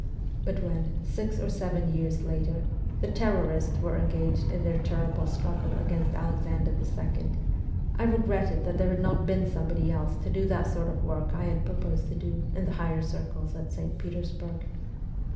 But when, six or seven years later, the terrorists were engaged in their terrible struggle against Alexander II., I regretted that there had not been somebody else to do the sort of work I had proposed to do in the higher circles at St. Petersburg.